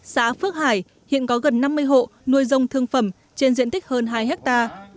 xã phước hải hiện có gần năm mươi hộ nuôi dông thương phẩm trên diện tích hơn hai hectare